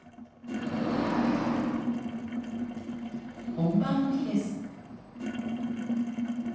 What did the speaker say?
本番の日です。